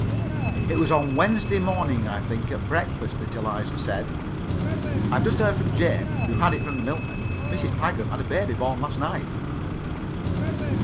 It was on Wednesday morning, I think, at breakfast, that Eliza said: "I've just heard from Jane, who had it from the milkman Mrs. Pagram had a baby born last night."